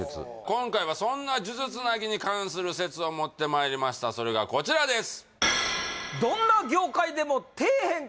今回はそんな数珠つなぎに関する説を持ってまいりましたそれがこちらです